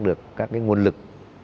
được các nguồn lực